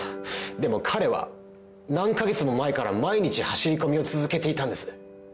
でも彼は何カ月も前から毎日走り込みを続けていたんです。